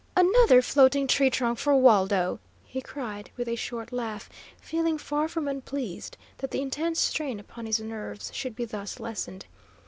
"Another floating tree trunk for Waldo!" he cried, with a short laugh, feeling far from unpleased that the intense strain upon his nerves should be thus lessened.